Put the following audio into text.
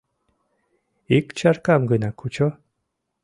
— Ик чаркам гына кучо.